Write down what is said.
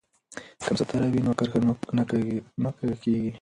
که مسطر وي نو کرښه نه کوږ کیږي.